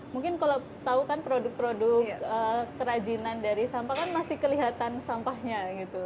mungkin kalau tahu kan produk produk kerajinan dari sampah kan masih kelihatan sampahnya gitu